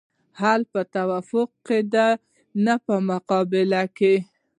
حل په توافق کې دی نه په مقابله.